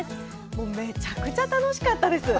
もうめちゃくちゃ楽しかったです。